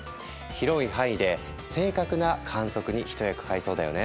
広い範囲で正確な観測に一役買いそうだよね。